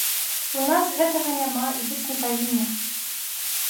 У нас гэтага няма і быць не павінна.